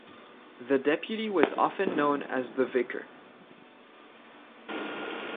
The deputy was often known as the 'vicar'.